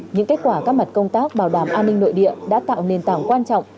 những kết quả các mặt công tác bảo đảm an ninh nội địa đã tạo nền tảng quan trọng